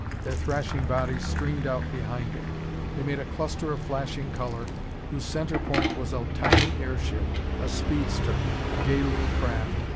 Their thrashing bodies streamed out behind it. They made a cluster of flashing color whose center point was a tiny airship, a speedster, a gay little craft.